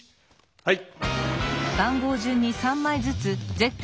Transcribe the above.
はい。